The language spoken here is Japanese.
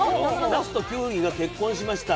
なすときゅうりが結婚しました。